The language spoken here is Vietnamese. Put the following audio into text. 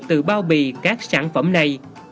từ bao bì các sản phẩm này